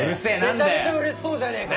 めちゃめちゃ嬉しそうじゃねえか。